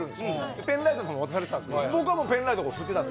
ペンライトとかも渡されてたんですけど僕はペンライト振ってたんで。